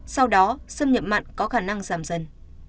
sau đó xâm nhập mặn có khả năng giảm dần